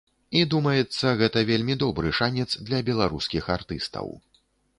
І, думаецца, гэта вельмі добры шанец для беларускіх артыстаў.